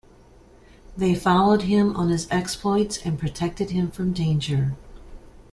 They followed him on his exploits and protected him from danger.